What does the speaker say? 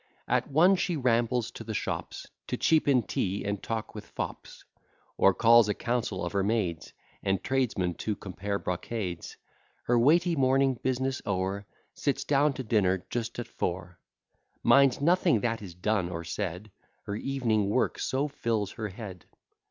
At one she rambles to the shops, To cheapen tea, and talk with fops; Or calls a council of her maids, And tradesmen, to compare brocades. Her weighty morning business o'er, Sits down to dinner just at four; Minds nothing that is done or said, Her evening work so fills her head.